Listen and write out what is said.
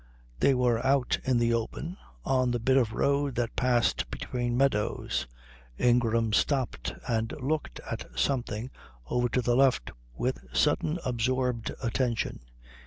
They were out in the open, on the bit of road that passed between meadows. Ingram stopped and looked at something over to the left with sudden absorbed attention.